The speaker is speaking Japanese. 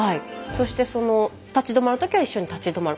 そしてその立ち止まる時は一緒に立ち止まる。